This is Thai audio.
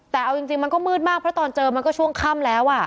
แต่เอาจริงมันก็มืดมากเพราะตอนเจอมันก็ช่วงค่ำแล้ว